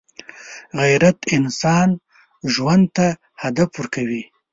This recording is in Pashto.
غیرت انسان ژوند ته هدف ورکوي